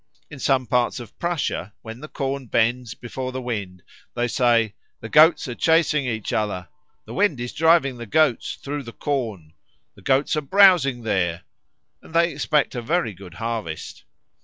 In some parts of Prussia, when the corn bends before the wind, they say, "The Goats are chasing each other," "the wind is driving the Goats through the corn," "the Goats are browsing there," and they expect a very good harvest.